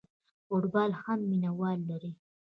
فوټبال هم مینه وال لري.